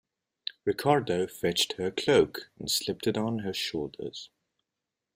Ricardo fetched her cloak and slipped it on her shoulders.